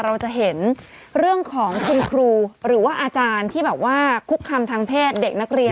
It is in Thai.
เราจะเห็นเรื่องของคุณครูหรือว่าอาจารย์ที่แบบว่าคุกคำทางเพศเด็กนักเรียน